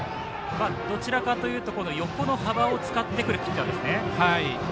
どちらかというと横の幅を使ってくるピッチャーですね。